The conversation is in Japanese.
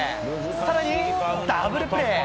さらに、ダブルプレー。